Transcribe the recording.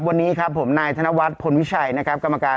วันนี้ครับผมนายธนวัฒน์พลวิชัยนะครับกรรมการ